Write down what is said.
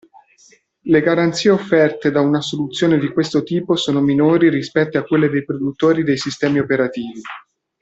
Le garanzie offerte da una soluzione di questo tipo sono minori rispetto a quelle dei produttori dei sistemi operativi.